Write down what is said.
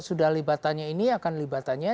sudah libatannya ini akan libatannya